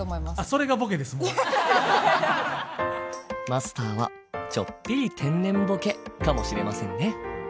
マスターはちょっぴり天然ボケかもしれませんね。